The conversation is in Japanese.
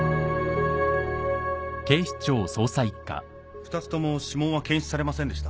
２つとも指紋は検出されませんでした。